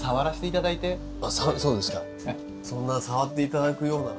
そんな触っていただくような。